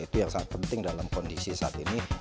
itu yang sangat penting dalam kondisi saat ini